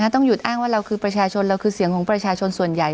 ต้องหยุดอ้างว่าเราคือประชาชนเราคือเสียงของประชาชนส่วนใหญ่